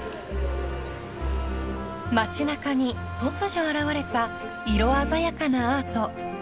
［街中に突如現れた色鮮やかなアート］